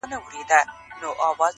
هم بېحده رشوت خوره هم ظالم وو.!